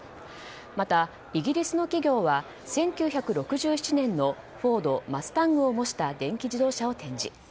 またイギリスの企業は１９６７年のフォード・マスタングを模した電気自動車を展示。